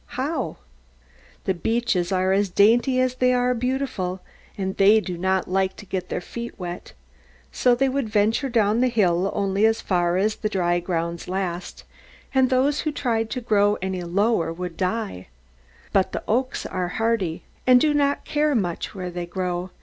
How? The beeches are as dainty as they are beautiful; and they do not like to get their feet wet. So they would venture down the hill only as far as the dry ground lasts, and those who tried to grow any lower would die. But the oaks are hardy, and do not care much where they grow.